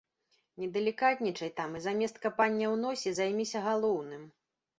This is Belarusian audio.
Не далікатнічай там і замест капання ў носе займіся галоўным!